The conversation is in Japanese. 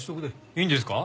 いいんですか？